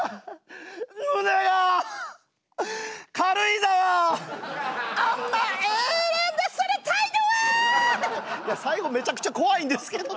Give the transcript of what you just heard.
いや最後めちゃくちゃ怖いんですけど。